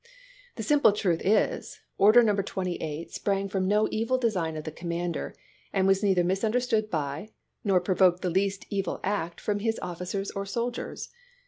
The simple truth is. Order No. 28 sprang from no evil design of the commander, and was neither misunderstood by, nor provoked the least evil act from, his officers or soldiers.